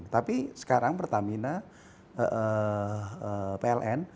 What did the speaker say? tapi sekarang pertamina pln